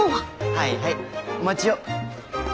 はいはいお待ちを。